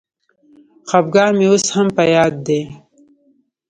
خپګان مي اوس هم په یاد دی.